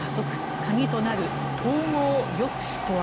鍵となる統合抑止とは。